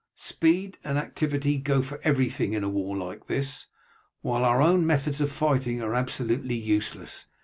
Speed and activity go for everything in a war like this, while our own methods of fighting are absolutely useless.